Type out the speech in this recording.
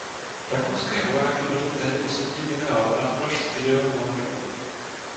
Rakouské vojáky vedl tehdy osobně generál Arnošt Gideon Laudon.